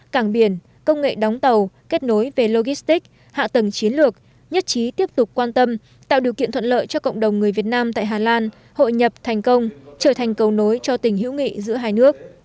cảng biển công nghệ đóng tàu kết nối về logistic hạ tầng chiến lược nhất trí tiếp tục quan tâm tạo điều kiện thuận lợi cho cộng đồng người việt nam tại hà lan hội nhập thành công trở thành cầu nối cho tình hữu nghị giữa hai nước